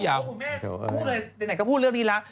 เพราะคุณแม่พูดเลยไหนก็พูดเรื่องนี้แล้ว